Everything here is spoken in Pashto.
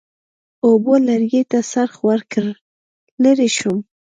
اوبو لرګي ته څرخ ورکړ، لرې شوم.